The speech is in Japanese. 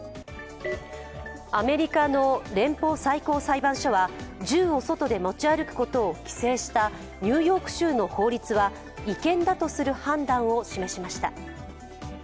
アメリカの連邦最高裁判所は銃を外で持ち歩くことを規制したニューヨーク州の法律は違憲だとする判断を示しました。